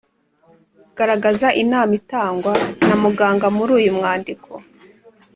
garagaza inama itangwa na muganga muri uyu mwandiko.